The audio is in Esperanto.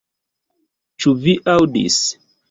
Ĉu vi aŭdis